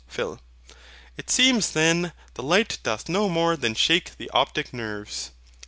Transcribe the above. PHIL. It seems then the light doth no more than shake the optic nerves.